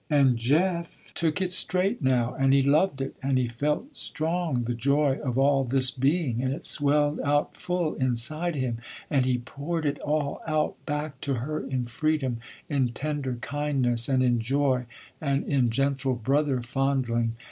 And Jeff took it straight now, and he loved it, and he felt, strong, the joy of all this being, and it swelled out full inside him, and he poured it all out back to her in freedom, in tender kindness, and in joy, and in gentle brother fondling.